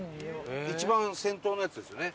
一番先頭のやつですよね。